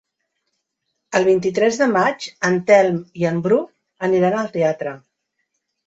El vint-i-tres de maig en Telm i en Bru aniran al teatre.